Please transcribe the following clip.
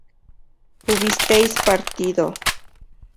hubisteis partido